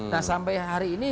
nah sampai hari ini